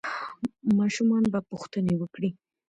ماشومان به پوښتنې وکړي.